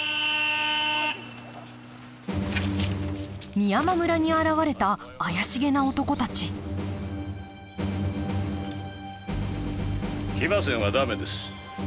美山村に現れた怪しげな男たち騎馬戦は駄目です。